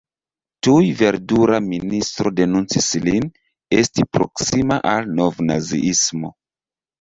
Tuj verdula ministro denuncis lin, esti proksima al novnaziismo.